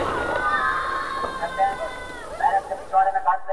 عدالت بايد رامنځته سي ژر,